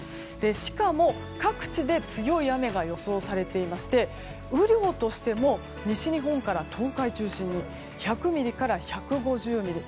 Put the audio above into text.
しかも各地で強い雨が予想されていまして雨量としても西日本から東海中心に１００ミリから１５０ミリ。